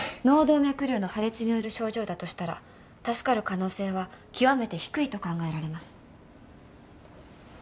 脳動脈瘤の破裂による症状だとしたら助かる可能性は極めて低いと考えられます。